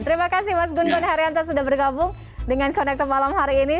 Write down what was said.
terima kasih mas gunpun haryanto sudah bergabung dengan konektor malam hari ini